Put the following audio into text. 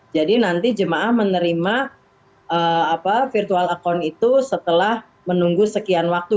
jadi nanti jemaah menerima virtual account itu setelah menunggu sekian waktu